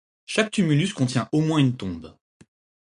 Chaque tumulus contient au moins une tombe.